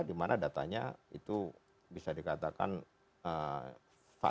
dimana datanya itu bisa dikatakan valid